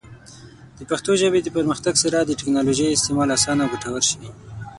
د پښتو ژبې د پرمختګ سره، د ټیکنالوجۍ استعمال اسانه او ګټور شي.